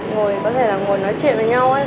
ngồi có thể là ngồi nói chuyện với nhau